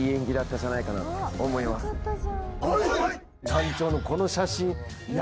団長のこの写真。